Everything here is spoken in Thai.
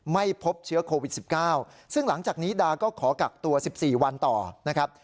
ไม่พบเชื้อโควิด๑๙ซึ่งหลังจากนี้ดาก็ขอกักตัว๑๔วันต่อนะครับ